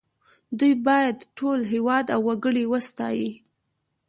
دوی باید ټول هېواد او وګړي وستايي